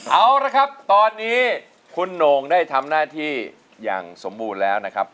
เอาละครับตอนนี้คุณโหน่งได้ทำหน้าที่อย่างสมบูรณ์แล้วนะครับ